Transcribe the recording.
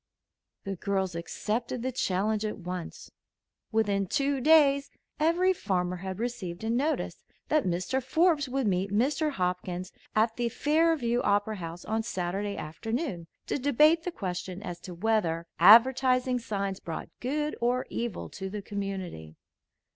The girls accepted the challenge at once. Within two days every farmer had received a notice that Mr. Forbes would meet Mr. Hopkins at the Fairview Opera House on Saturday afternoon to debate the question as to whether advertising signs brought good or evil to the community.